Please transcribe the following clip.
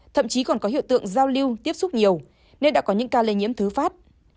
thậm chí còn có hiệu tượng giao lưu tiếp xúc nhiều nên đã có những ca lên nhiễm thứ pháp